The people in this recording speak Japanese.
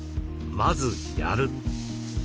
まずやる。